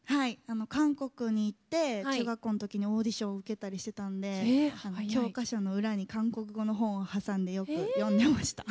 韓国に行って中学校のときにオーディションを受けたりしてたんで教科書の裏に韓国語の本を挟んでよく読んでました。